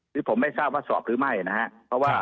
คือผมไม่ทราบว่าสอบหรือไม่นะครับ